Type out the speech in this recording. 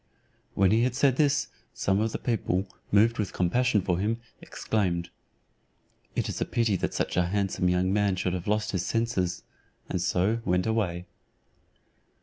When he had said this, some of the people, moved with compassion for him, exclaimed, "It is a pity that such a handsome young man should have lost his senses;" and so went away.